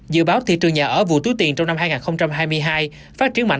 dự báo thị trường nhà ở vừa thứ tiền trong năm hai nghìn hai mươi hai phát triển mạnh